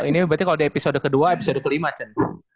ini berarti kalau di episode kedua episode kelima cen